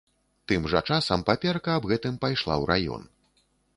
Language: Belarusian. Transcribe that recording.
Тым жа часам паперка аб гэтым пайшла ў раён.